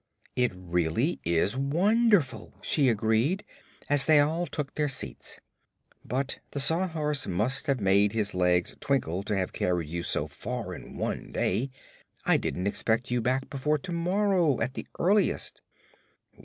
"It really is wonderful," she agreed, as they all took their seats; "but the Sawhorse must have made his legs twinkle to have carried you so far in one day. I didn't expect you back before to morrow, at the earliest."